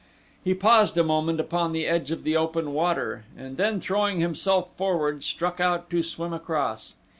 He paused a moment upon the edge of the open water and then throwing himself forward struck out to swim across.